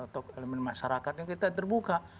atau elemen masyarakatnya kita terbuka